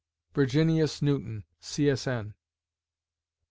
VIRGINIUS NEWTON, C. S. N.